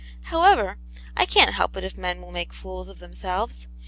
However, I can't help it if men will make fools of themselves.